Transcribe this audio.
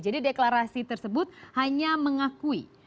jadi deklarasi tersebut hanya mengakui